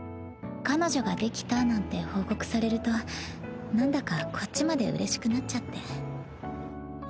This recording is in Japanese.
彼女ができたなんて報告されるとなんだかこっちまでうれしくなっちゃって。